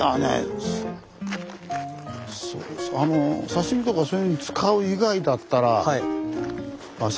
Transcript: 刺身とかそういうのに使う以外だったらああ！